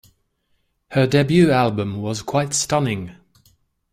Her debut album was quite stunning.